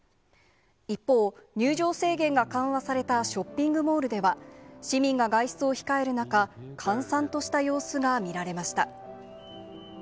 一方、入場制限が緩和されたショッピングモールでは、市民が外出を控える中、閑散とした様子が見られました。